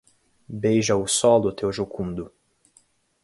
Beija o solo teu jucundo